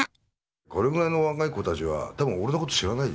これぐらいの若い子たちはたぶん俺のこと知らないよ。